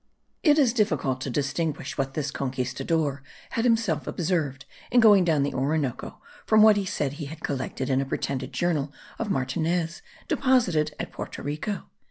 It is difficult to distinguish what this conquistador had himself observed in going down the Orinoco from what he said he had collected in a pretended journal of Martinez, deposited at Porto Rico.